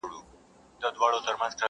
په شيدو سوځلی مستې پو کي.